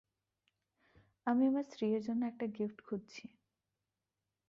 আমি আমার স্ত্রীএর জন্য একটা গিফট খুজছি।